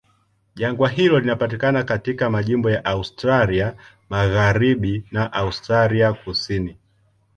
Jangwa hilo linapatikana katika majimbo ya Australia Magharibi na Australia Kusini.